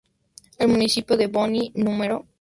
El municipio de Boone No.